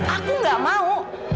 aku gak mau